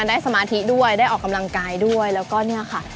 สมาธิด้วยได้ออกกำลังกายด้วยแล้วก็เนี่ยค่ะ